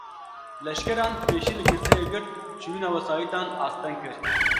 Leşkeran, pêşî li girseyê girt, çûyîna wesaîtan asteng kir